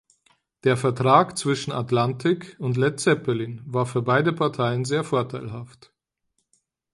Der Vertrag zwischen Atlantic und Led Zeppelin war für beide Parteien sehr vorteilhaft.